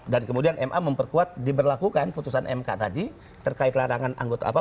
dan kemudian ma memperkuat diberlakukan putusan mk tadi terkait larangan anggota apa